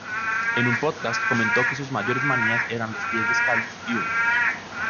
En un podcast comentó que sus mayores manías eran los pies descalzos y húmedos.